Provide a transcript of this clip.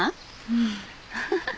うん。